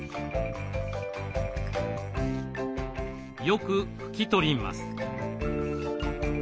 よく拭き取ります。